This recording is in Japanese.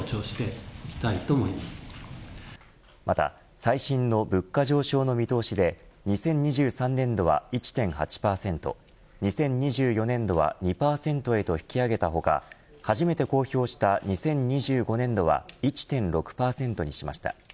また、最新の物価上昇の見通しで２０２３年度は１．８％２０２４年度は２％へと引き上げた他初めて公表した２０２５年度は１．６％にしました。